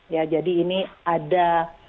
ya jadi ini ada